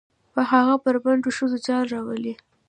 په هغه بربنډو ښځو جال روالي.